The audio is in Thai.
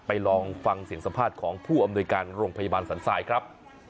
ลองฟังเสียงสัมภาษณ์ของผู้อำนวยการโรงพยาบาลสันทรายครับ